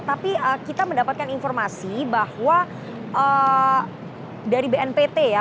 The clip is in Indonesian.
tapi kita mendapatkan informasi bahwa dari bnpt ya